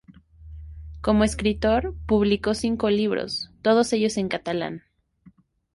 Como escritor, publicó cinco libros, todos ellos en catalán.